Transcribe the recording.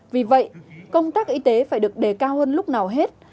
vì vậy công tác y tế phải được đề cao hơn lúc nào hết